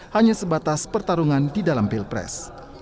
hanya sebatas pertarungan di dalam pilpres